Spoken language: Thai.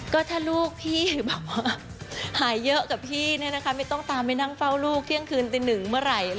ก็ถ้าลูกพี่แบบว่าหายเยอะกับพี่ไม่ต้องตามไปนั่งเฝ้าลูกเที่ยงคืนตีหนึ่งเมื่อไหร่